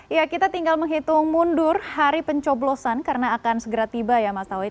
ya kita tinggal menghitung mundur hari pencoblosan karena akan segera tiba ya mas tauhid